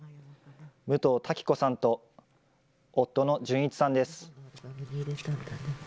武藤多喜子さんと夫の淳一さんです。